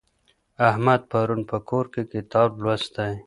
احمد پرون په کور کي کتاب لوستی.